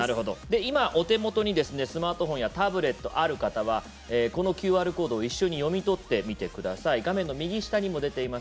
今、お手元にスマホやタブレットがある方はこのＱＲコードを一緒に読み取ってみてください。